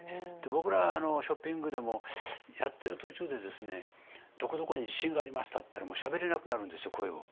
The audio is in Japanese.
僕らショッピングでもやってる途中でどこどこに地震がありましたっていったらもうしゃべれなくなるんですよ声を。